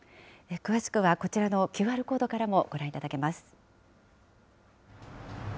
詳しくはこちらのＱＲコードからもご覧いただけます。